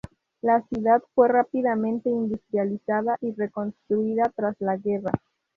La ciudad fue rápidamente industrializada y reconstruida tras la guerra.